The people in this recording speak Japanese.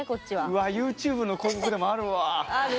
うわＹｏｕＴｕｂｅの広告でもあるわ！